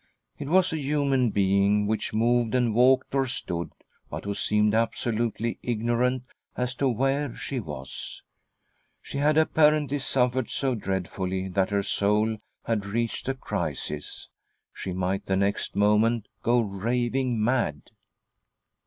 It was a human being which moved and walked or stood, but who seemed absolutely ignorant \ 1 ,■ 20 THY SOUL SHALL BEAR WITNESS! as to where she was. She had apparently suffered . so dreadfully that her soul had reached a crisis ; she might the next moment go raving : mad.